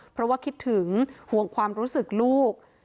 เพราะว่าคิดถึงห่วงความรู้สึกลูก